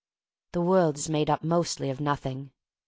The world is made up mostly of noth ing.